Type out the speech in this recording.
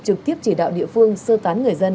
trực tiếp chỉ đạo địa phương sơ tán người dân